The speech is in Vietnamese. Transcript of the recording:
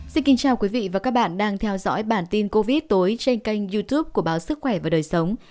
xin kính chào quý vị và các bạn đang theo dõi bản tin covid tối trên kênh youtube của báo sức khỏe và đời sống